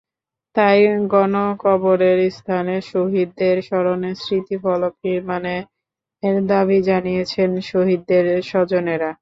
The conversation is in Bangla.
তাই গণকবরের স্থানে শহীদদের স্মরণে স্মৃতিফলক নির্মাণের দাবি জানিয়েছেন শহীদদের স্বজনেরা।